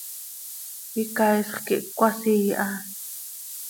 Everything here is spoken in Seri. Icaaisx quih cöcasii ha.